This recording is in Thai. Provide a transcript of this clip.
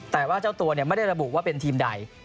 แต่ว่าเจ้าตัวไม่ได้ระบุว่าเป็นทีมใด